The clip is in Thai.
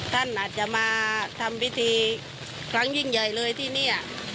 ท่านอาจจะมาทำพิธีครั้งยิ่งใหญ่เลยที่นี่